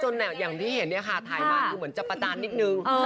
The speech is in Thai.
แล้วเป็นคนแสดง